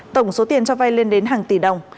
tổng số tiền cho vay lên đến hàng tỷ đồng